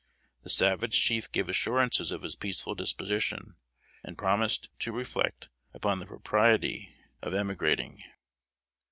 The savage chief gave assurances of his peaceful disposition, and promised to reflect upon the propriety of emigrating.